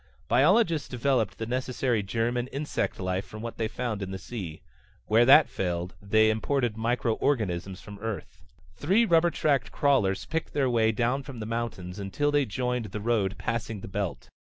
Biologists developed the necessary germ and insect life from what they found in the sea. Where that failed, they imported microorganisms from Earth. Three rubber tracked crawlers picked their way down from the mountains until they joined the road passing the belt.